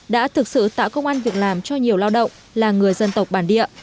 đã thực sự tạo công an việc làm cho nhiều lao động là người dân tộc bản địa